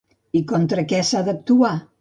I contra què s'ha d'actuar?